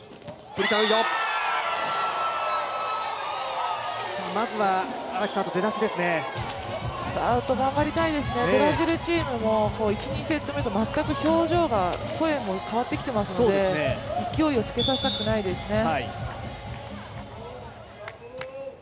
ブラジルチームも１、２セット目と全く表情、声が変わってきていますので勢いをつけさせたくないですね。